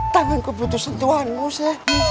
tangan ku butuh sentuhanmu si